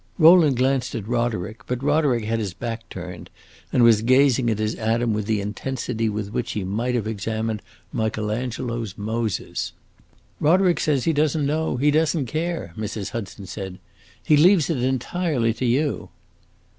Rowland glanced at Roderick, but Roderick had his back turned and was gazing at his Adam with the intensity with which he might have examined Michael Angelo's Moses. "Roderick says he does n't know, he does n't care," Mrs. Hudson said; "he leaves it entirely to you."